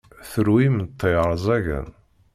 Tru imeṭṭi rẓagen.